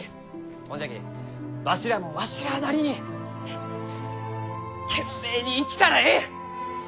ほんじゃきわしらもわしらあなりに懸命に生きたらえい！